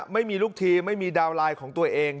ไม่มีลูกทีไม่มีดาวน์ไลน์ของตัวเอง